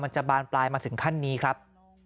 จะบานปลายมาถึงขั้นนี้ครับ